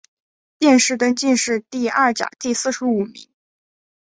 殿试登进士第二甲第四十五名。